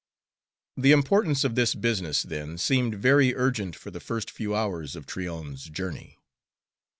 The importance of this business, then, seemed very urgent for the first few hours of Tryon's journey.